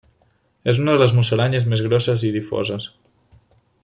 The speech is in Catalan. És una de les musaranyes més grosses i difoses.